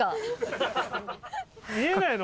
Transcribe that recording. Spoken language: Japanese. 見えないの？